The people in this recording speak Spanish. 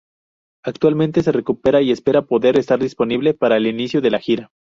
Actualmente se recupera y espera poder estar disponible para el inicio de la gira.